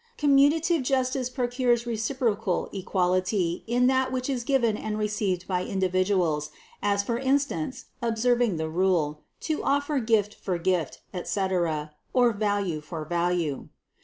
556. Commutative justice procures reciprocal equal ity in that which is given and received by individuals ; as for instance observing the rule : to offer gift for gift, etc., or value for value.